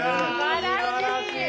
すばらしい！